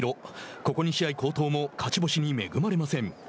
ここ２試合、好投も勝ち星に恵まれません。